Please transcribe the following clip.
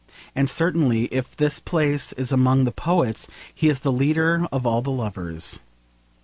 And certainly, if his place is among the poets, he is the leader of all the lovers.